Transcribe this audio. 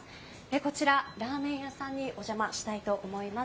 こちら、ラーメン屋さんにお邪魔したいと思います。